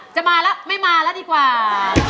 จะมาล่ะไม่มาล่ะดีกว่า